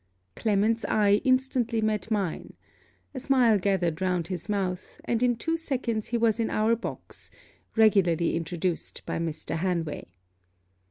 Clement's eye instantly met mine. A smile gathered round his mouth; and in two seconds he was in our box, regularly introduced by Mr. Hanway.